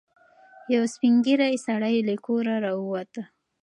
یو سپین ږیری سړی له کوره راووت.